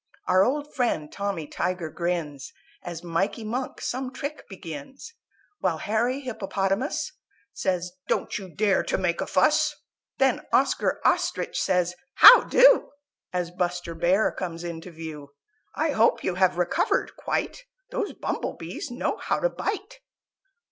Our old friend Tommy Tiger grins, As Mikey Monk some trick begins, While Harry Hippopotamus Says, "Don't you dare to make a fuss!" Then Oscar Ostrich says "How do!" As Buster Bear comes into view; "I hope you have recovered quite Those Bumble Bees know how to bite!"